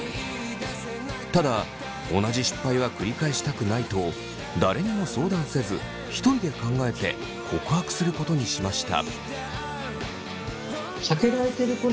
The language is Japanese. ただ同じ失敗は繰り返したくないと誰にも相談せず１人で考えて告白することにしました。